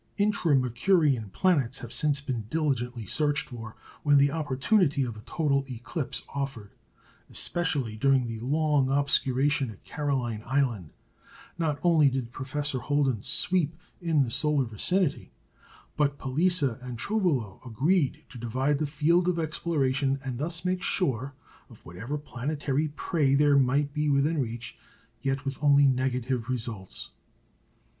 Intra Mercurian planets have since been diligently searched for when the opportunity of a total eclipse offered, especially during the long obscuration at Caroline Island. Not only did Professor Holden "sweep" in the solar vicinity, but Palisa and Trouvelot agreed to divide the field of exploration, and thus make sure of whatever planetary prey there might be within reach; yet with only negative results.